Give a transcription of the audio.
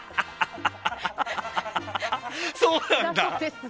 そうなんだ！